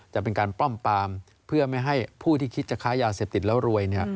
จะเป็นการป้อมปามเพื่อไม่ให้ผู้ที่คิดจะค้ายาเสพติดแล้วรวย